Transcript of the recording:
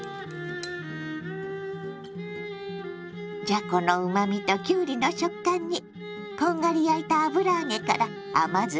じゃこのうまみときゅうりの食感にこんがり焼いた油揚げから甘酢がジュワー。